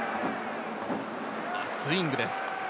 スイングです。